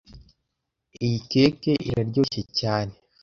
Iyi keke iraryoshye cyane